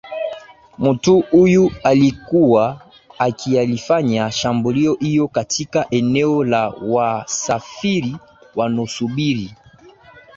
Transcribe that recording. mtu huyu alikuwa akiyalifanya shambulio hiyo katika eneo la wasafiri wanosubiri